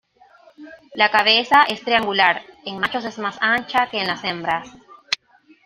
La cabeza es triangular, en machos es más ancha que en las hembras.